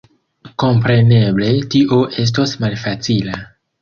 Kompreneble tio estos malfacila.